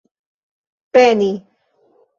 peni